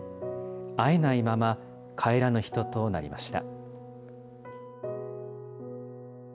会えないまま帰らぬ人となりました。